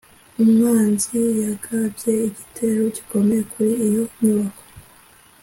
umwanzi yagabye igitero gikomeye kuri iyo nyubako.